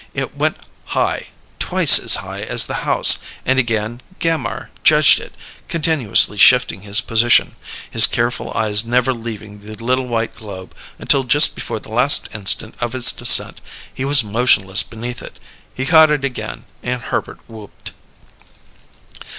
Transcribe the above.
It went high twice as high as the house and again Gammire "judged" it; continuously shifting his position, his careful eyes never leaving the little white globe, until just before the last instant of its descent he was motionless beneath it. He caught it again, and Herbert whooped.